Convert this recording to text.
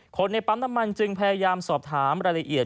ในปั๊มน้ำมันจึงพยายามสอบถามรายละเอียด